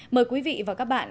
mời quý vị và các bạn